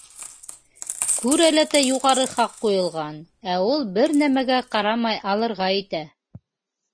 Күрәләтә юғары хаҡ ҡуйылған, ә ул бер нимәгә ҡарамай алырға итә.